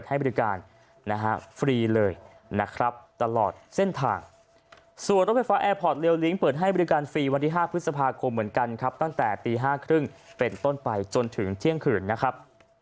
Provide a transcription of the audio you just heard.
ที่วันที่๕พฤษภาคมเหมือนกันครับตั้งแต่ตี่๕๓๐นเป็นต้นไปจนถึงเที่ยงขึนนะครับ